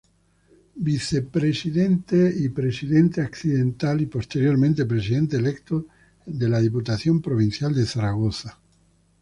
Vicepresidente y Presidente accidental y posteriormente Presidente electo de la Diputación Provincial de Zaragoza.